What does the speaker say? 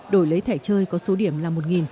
đổi lấy thẻ chơi có số điểm là một